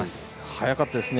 早かったですね。